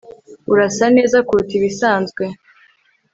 Urasa neza kuruta ibisanzwe